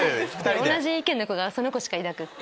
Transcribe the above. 同じ意見の子がその子しかいなくて。